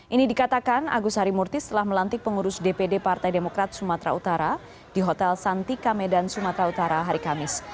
ini dikatakan agus harimurti setelah melantik pengurus dpd partai demokrat sumatera utara di hotel santika medan sumatera utara hari kamis